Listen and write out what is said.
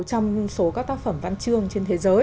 trong số các tác phẩm văn chương trên thế giới